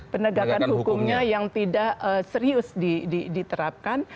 penegakan hukumnya yang tidak serius diterapkan